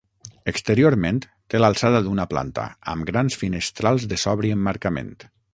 Exteriorment, té l'alçada d'una planta amb grans finestrals de sobri emmarcament.